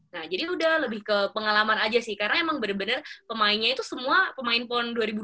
nah jadi udah lebih ke pengalaman aja sih karena emang bener bener pemainnya itu semua pemain pon dua ribu dua puluh